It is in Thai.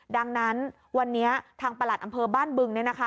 ดังนั้นวันนี้ทางประหลัดอำเภอบ้านบึงเนี่ยนะคะ